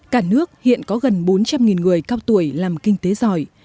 cả nước hiện có gần bốn trăm linh người cao tuổi làm kinh tế giỏi